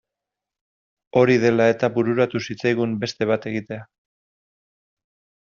Hori dela eta bururatu zitzaigun beste bat egitea.